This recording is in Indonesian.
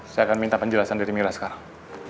saya akan minta penjelasan dari mila sekarang